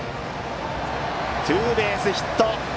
ツーベースヒット。